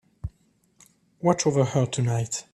Watch over her tonight.